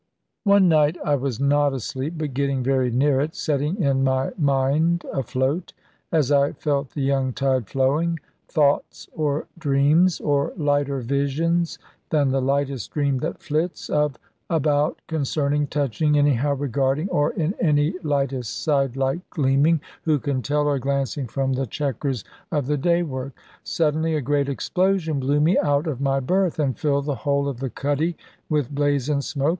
One night I was not asleep, but getting very near it; setting in my mind afloat (as I felt the young tide flowing) thoughts or dreams, or lighter visions than the lightest dream that flits, of, about, concerning, touching, anyhow regarding, or, in any lightest side light, gleaming, who can tell, or glancing from the chequers of the day work. Suddenly a great explosion blew me out of my berth, and filled the whole of the cuddy with blaze and smoke.